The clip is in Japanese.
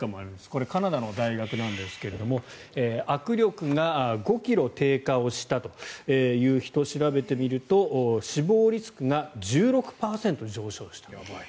これはカナダの大学ですが握力が５ｋｇ低下をした人を調べてみると死亡リスクが１６％上昇した。